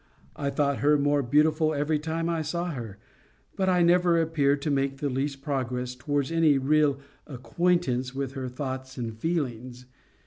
I thought her more, beautiful every time I saw her. But I never appeared to make the least progress towards any real acquaintance with her thoughts and feelings.